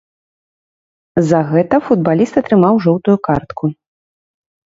За гэта футбаліст атрымаў жоўтую картку.